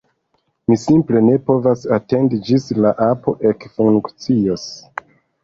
Mi simple ne povas atendi ĝis la apo ekfunkcios!